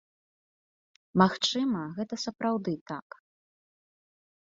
Магчыма, гэта сапраўды так.